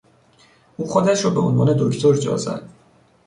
او خودش را به عنوان دکتر جا زد.